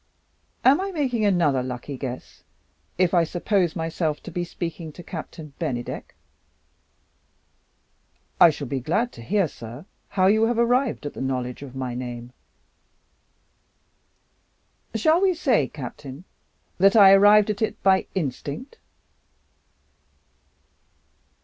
"Am I making another lucky guess if I suppose myself to be speaking to Captain Bennydeck?" "I shall be glad to hear, sir, how you have arrived at the knowledge of my name." "Shall we say, Captain, that I have arrived at it by instinct?"